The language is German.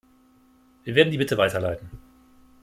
Wir werden die Bitte weiterleiten.